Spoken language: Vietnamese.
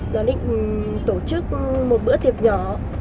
nó định tổ chức một bữa tiệc nhỏ